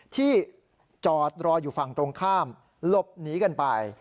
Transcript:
ที่จอดรออยู่ฝั่งตรงข้ามหลบหนีกันไป